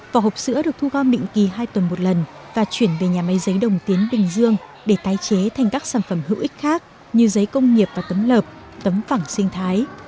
vỏ hộp sữa được thu gom định kỳ hai tuần một lần và chuyển về nhà máy giấy đồng tiến bình dương để tái chế thành các sản phẩm hữu ích khác như giấy công nghiệp và tấm lợp tấm phẳng sinh thái